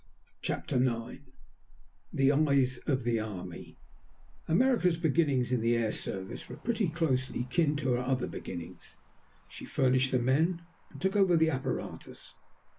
CHAPTER IX THE EYES OF THE ARMY America's beginnings in the air service were pretty closely kin to her other beginnings she furnished the men and took over the apparatus.